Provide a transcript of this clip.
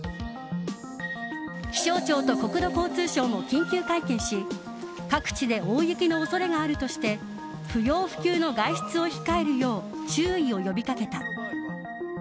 気象庁と国土交通省も緊急会見し各地で大雪の恐れがあるとして不要不急の外出を控えるよう注意を呼びかけた。